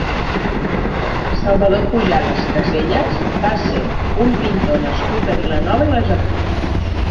Salvador Pujadas Casellas va ser un pintor nascut a Vilanova i la Geltrú.